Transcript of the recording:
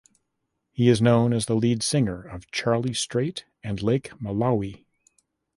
He is known as the lead singer of Charlie Straight and Lake Malawi.